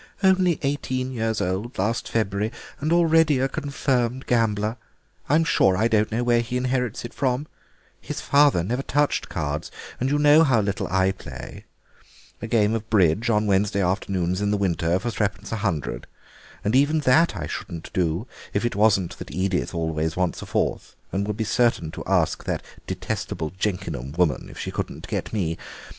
"Only eighteen years old last February and already a confirmed gambler. I am sure I don't know where he inherits it from; his father never touched cards, and you know how little I play—a game of bridge on Wednesday afternoons in the winter, for three pence a hundred, and even that I shouldn't do if it wasn't that Edith always wants a fourth and would be certain to ask that detestable Jenkinham woman if she couldn't get me.